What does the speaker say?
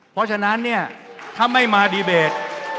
เพราะฉะนั้นเนี่ยถ้าไม่มาดีเบต